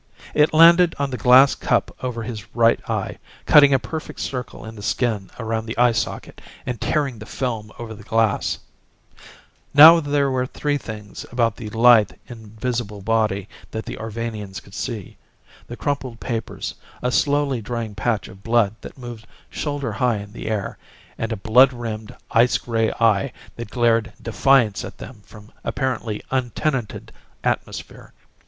It landed on the glass cup over his right eye, cutting a perfect circle in the skin around the eyesocket, and tearing the film over the glass! Now there were three things about the lithe, invisible body that the Arvanians could see: the crumpled papers, a slowly drying patch of blood that moved shoulder high in the air, and a blood rimmed, ice gray eye that glared defiance at them from apparently untenanted atmosphere.